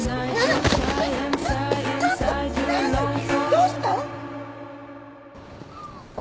どうした？